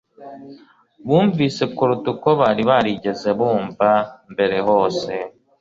Bumvise kuruta uko bari barigeze bumva mbere hose;